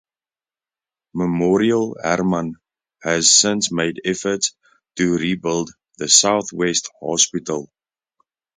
Memorial Hermann has since made efforts to rebuild the Southwest Hospital.